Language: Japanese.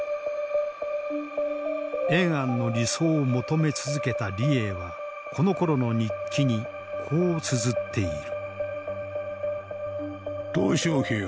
延安の理想を求め続けた李鋭はこのころの日記にこうつづっている。